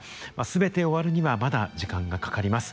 全て終わるにはまだ時間がかかります。